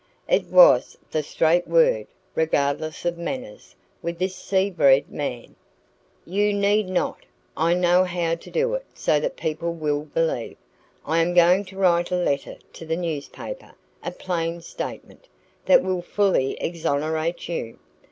It was the straight word, regardless of manners, with this sea bred man. "You need not. I know how to do it so that people will believe. I am going to write a letter to the newspaper a plain statement, that will fully exonerate you."